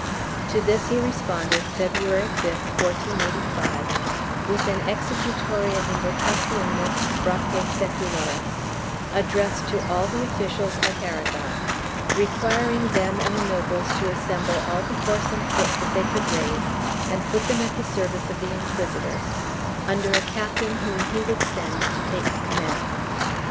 To this he responded, Feb ruary 5, 1485, with an Executoria invocationis brachii sceculariSj addressed to all the officials of Aragon, requiring them and the nobles to assemble all the horse and foot that they could raise and put them at the service of the inquisitors, under a captain whom he would send to take command.